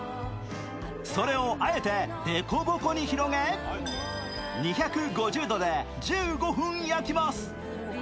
それをあえてでこぼこに広げ２５０度で１５分焼きます。